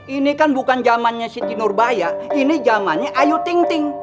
ini kan bukan zamannya siti nurbaya ini zamannya ayu ting ting